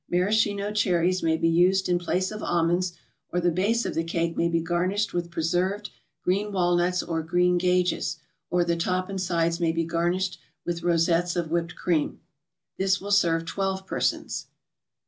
Maraschino cherries may be used in place of almonds, or the base of the cake may be garnished with preserved green walnuts or green gages, or the top and sides may be garnished with rosettes of whipped cream. This will serve twelve persons.